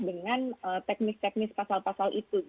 dengan teknis teknis pasal pasal itu